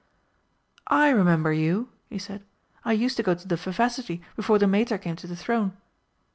"I remember you," he said. "I used to go to the Vivacity before the Mater came to the throne."